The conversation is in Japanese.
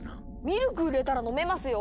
ミルク入れたら飲めますよ！